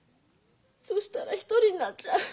そしたら１人になっちゃう。